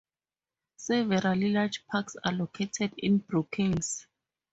Several large parks are located in Brookings.